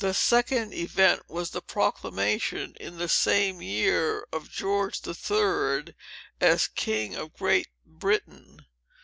The second event was the proclamation, in the same year, of George the Third as king of Great Britain.